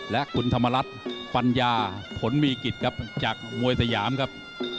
และคุณธรรมรัฐปัญญาผลมีกิจครับจากมวยสยามครับ